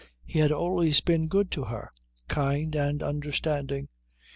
He had always been good to her, kind and understanding.